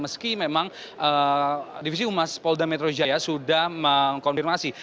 meski memang divisi humas polda metro jaya sudah mengkonfirmasi